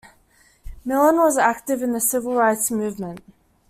Millen was active in the civil rights movement.